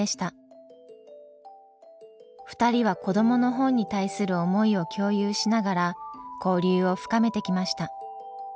２人は子どもの本に対する思いを共有しながら交流を深めてきました。